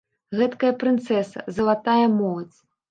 Гэткая прынцэса, залатая моладзь.